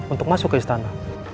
untuk masuk ke istana